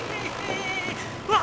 うわ！